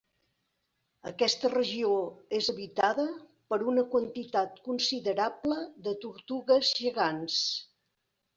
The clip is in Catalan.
Aquesta regió és habitada per una quantitat considerable de tortugues gegants.